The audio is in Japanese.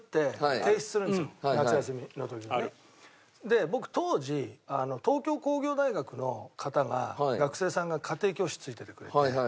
で僕当時東京工業大学の方が学生さんが家庭教師ついててくれて。